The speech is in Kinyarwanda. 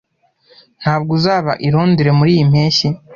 Ntabwo uzaba i Londres muriyi mpeshyi?